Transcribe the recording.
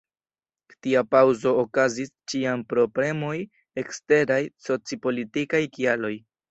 Tia paŭzo okazis ĉiam pro premoj, eksteraj, soci-politikaj kialoj.